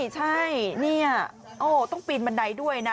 ใช่นี่ต้องปีนบันไดด้วยนะ